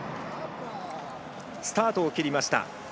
スタートを切りました。